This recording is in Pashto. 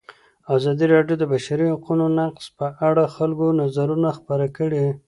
ازادي راډیو د د بشري حقونو نقض په اړه د خلکو نظرونه خپاره کړي.